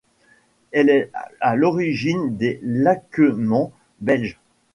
Elle est à l'origine des lacquemants belges.